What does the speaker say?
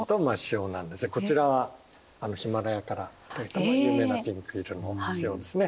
こちらはヒマラヤからとれた有名なピンク色の塩ですね。